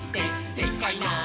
「でっかいなあ！」